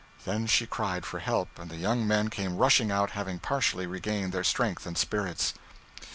Then she cried for help, and the young men came rushing out, having partially regained their strength and spirits.